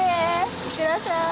行ってらっしゃい。